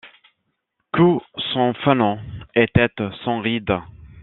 Cou sans fanon et tête sans rides.